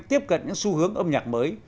tiếp cận những xu hướng âm nhạc mới